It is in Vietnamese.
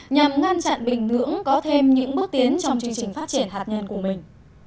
nhằm ngăn chặn bình ngưỡng có thêm những bước tiến trong chương trình phát triển hạt nhân của mình